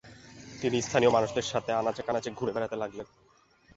তিনি স্থানীয় মানুষদের সাথে আনাচে-কানাচে ঘুরে বেড়াতে লাগলেন।